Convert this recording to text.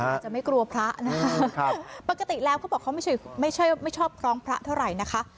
จะไม่กลัวพระปกติแล้วเขาบอกไม่ชอบคล้องพระเท่าไหร่นะคะ